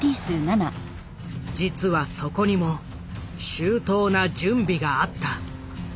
実はそこにも周到な準備があった。